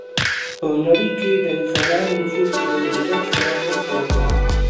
په نړۍ کې یې د انسانانو نفوس له ډېرښت سره مرسته وکړه.